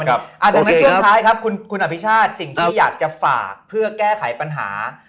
ดังนั้นช่วงท้ายครับคุณอภิชาติสิ่งที่อยากจะฝากเพื่อแก้ไขปัญหา